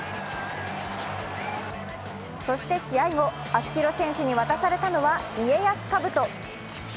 そして試合後、秋広選手に渡されたのは家康かぶと。